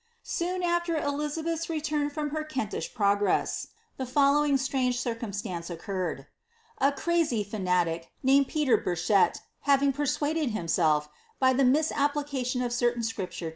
Sooji after Elizabeth's return from her Kentish progress, the following strange circumstance occurred ; a crazy fatiatic, named Peter Biirohet, having persuaded himself, by the misapplication of certain Scripture